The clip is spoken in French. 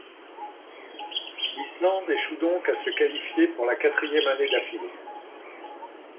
L'Islande échoue donc à se qualifier pour la quatrième année d'affilée.